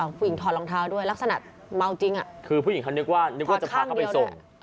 ผู้หญิงถอดรองเท้าด้วยลักษณะเมาจริงอ่ะคือผู้หญิงเขานึกว่านึกว่าจะพาเขาไปส่ง